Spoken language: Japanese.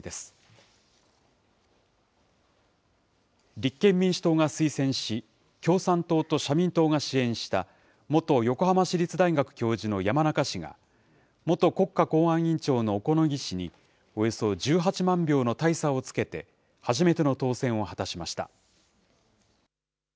立憲民主党が推薦し、共産党と社民党が支援した元横浜市立大学教授の山中氏が、元国家公安委員長の小此木氏におよそ１８万票の大差をつけて、初万歳。